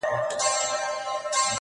د قهر کاڼی پء ملا باندې راوښويدی~